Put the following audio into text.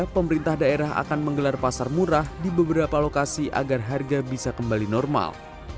pemerintah daerah akan menggelar pasar murah di beberapa lokasi agar harga bisa kembali normal